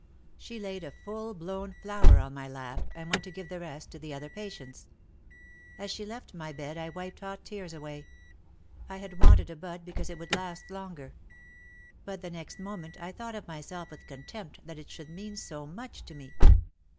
She laid a full blown flower on my lap and went to give the rest to the other patients. As she left my bed I wiped hot tears away. I had wanted a bud because it would last longer. But the next moment I thought of myself with contempt that it should mean so much to me.